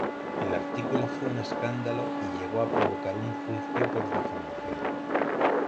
El artículo fue un escándalo y llegó a provocar un juicio por difamación.